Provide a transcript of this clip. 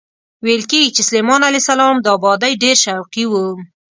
ویل کېږي چې سلیمان علیه السلام د ابادۍ ډېر شوقي و.